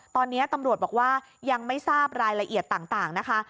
ตอนนี้ตำรวจบอกว่ายังไม่ทราบรายละเอียดต่างนะคะ